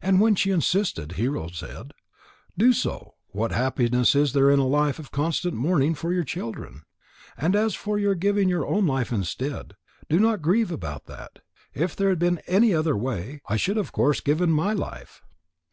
And when she insisted, Hero said: "Do so. What happiness is there in a life of constant mourning for your children? And as for your giving your own life instead, do not grieve about that. If there had been any other way, I should of course have given my life.